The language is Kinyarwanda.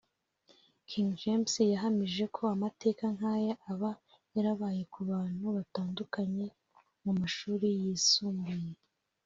King James yahamije ko amateka nk’aya aba yarabaye ku bantu batandukanye mu mashuri yisumbuye